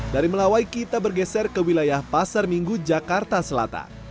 dari melawai kita bergeser ke wilayah pasar minggu jakarta selatan